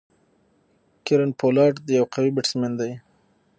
کیرن پولارډ یو قوي بيټسمېن دئ.